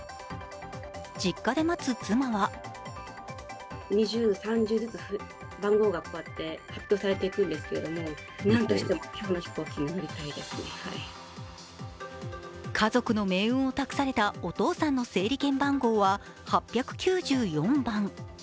実家で待つ妻は家族の命運を託されたお父さんの整理券番号は８９４番。